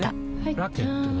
ラケットは？